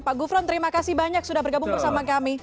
pak gufron terima kasih banyak sudah bergabung bersama kami